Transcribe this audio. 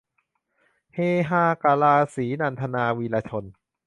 เฮฮากะลาสี - นันทนา วีระชน